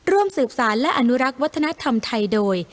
ร่วมสืบสารและอนุรักษ์วัฒนธรรมไทยโดย